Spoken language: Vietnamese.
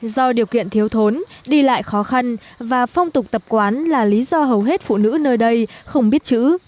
do điều kiện thiếu thốn đi lại khó khăn và phong tục tập quán là lý do hầu hết phụ nữ nơi đây không biết chữ